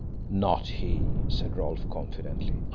"Not he," said Rolfe confidently.